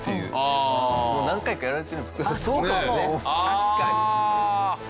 確かに。